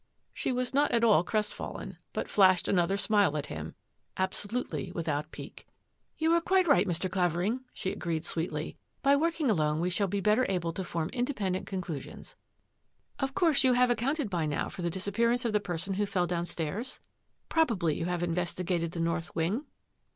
She was not at all crestfallen, but flashed an other smile at him — absolutely without pique. " You are quite right, Mr. Clavering," she agreed sweetly. " By working alone we shall be better able to form independent conclusions. Of course you have accounted by now for the dis appearance of the person who fell down stairs? Probably you have investigated the north wing?